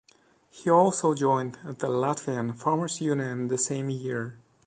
He also joined the Latvian Farmers' Union the same year.